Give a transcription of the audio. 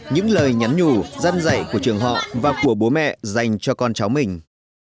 những lời nhắn nhủ dân dạy của trường họ và của bố mẹ dành cho con cháu mình